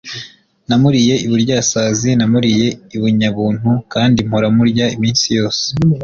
namuriye i Buryasazi, namuriye i Bunyabuntu, kandi mpora murya iminsi yose